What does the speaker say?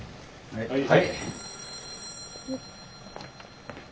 はい。